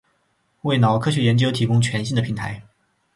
为脑科学研究提供全新的平台